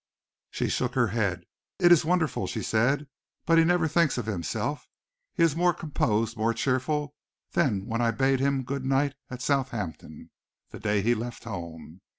She shook her head. "It is wonderful," she said, "but he never thinks of himself. He is more composed, more cheerful, than when I bade him good night at Southampton, the day he left home.